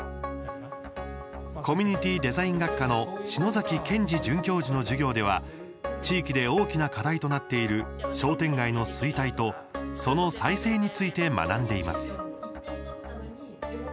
コミュニティデザイン学科の篠崎健司准教授の授業では地域で大きな課題となっている商店街の衰退とその再生について学んでいます。